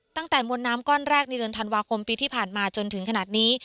ตั้งแต่มวลน้ำก้อนแรกในเดือนธันวาคมปีที่ผ่านมาจนถึงขนาดนี้